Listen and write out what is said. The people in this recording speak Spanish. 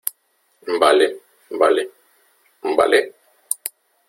vale , vale .¿ vale ?